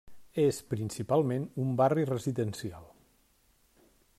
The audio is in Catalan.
És principalment un barri residencial.